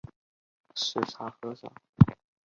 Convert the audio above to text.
著名的五家寨人字桥即位于南溪河支流四岔河上。